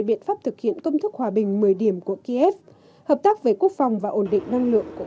biện pháp thực hiện công thức hòa bình một mươi điểm của kiev hợp tác về quốc phòng và ổn định năng lượng của